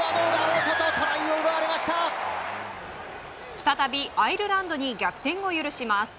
再びアイルランドに逆転を許します。